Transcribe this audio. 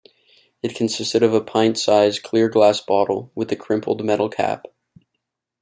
It consisted of a pint-sized clear glass bottle with a crimped metal cap.